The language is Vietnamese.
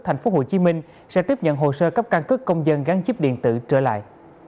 thành phố hồ chí minh sẽ tiếp nhận hồ sơ cấp căn cứ công dân gắn chip điện tử trở lại